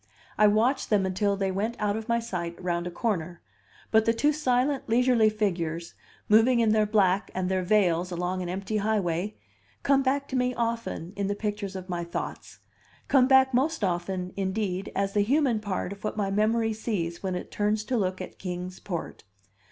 I watched them until they went out of my sight round a corner; but the two silent, leisurely figures, moving in their black and their veils along an empty highway, come back to me often in the pictures of my thoughts; come back most often, indeed, as the human part of what my memory sees when it turns to look at Kings Port.